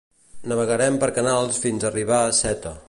Navegarem per canals fins arribar a Sète